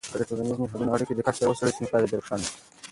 که د ټولنیزو نهادونو اړیکې دقت سره وڅیړل سي، نو پایله به روښانه سي.